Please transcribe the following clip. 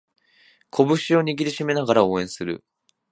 拳を握りしめながら応援する